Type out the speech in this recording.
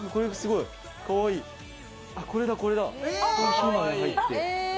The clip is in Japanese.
これだ、これだ。